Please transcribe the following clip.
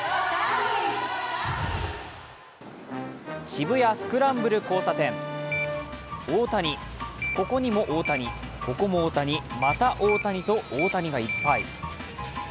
渋谷スクランブル交差点大谷、ここにも大谷、ここも大谷また大谷と、大谷がいっぱい。